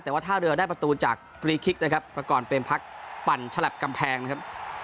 แต่ว่าท่าเรือได้ประตูจากฟรีคิกนะครับประกอบเป็นพักปั่นฉลับกำแพงนะครับ